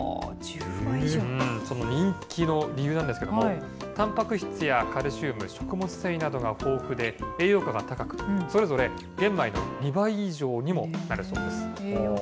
その人気の理由なんですけれども、たんぱく質やカルシウム、食物繊維などが豊富で、栄養価が高く、それぞれ玄米の２倍以上にもなるそうです。